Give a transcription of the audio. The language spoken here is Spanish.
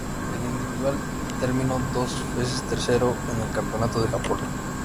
En individual terminó dos veces tercero en el Campeonato de Japón.